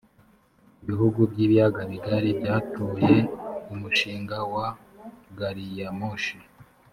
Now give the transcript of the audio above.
ibihugu by’ ibiyaga bigari byatoye umushinga wa gariyamoshi